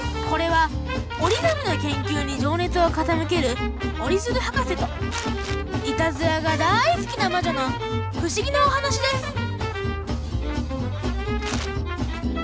これは折り紙の研究に情熱を傾ける折鶴博士といたずらがだい好きな魔女の不思議なお話です